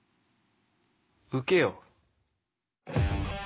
受けよう。